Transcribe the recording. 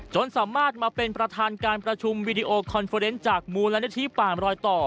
จนสามารถมาเป็นประธานการประชุมวีดีโอคอนเฟอร์เนส์จากมูลนิธิป่ามรอยต่อ